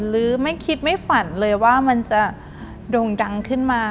หรือไม่คิดไม่ฝันเลยว่ามันจะโด่งดังขึ้นมา